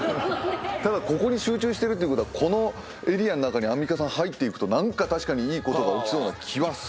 ただここに集中してるということはこのエリアの中にアンミカさん入ってくと何か確かにいいことが起きそうな気はするという。